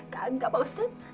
gagak pak ustadz